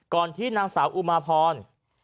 ก่อนที่นางสาวอุมาพรน